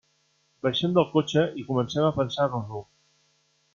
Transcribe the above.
Baixem del cotxe i comencem a pensar-nos-ho.